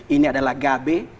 ini adalah gabe